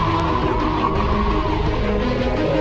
iya bener ayo kita kesana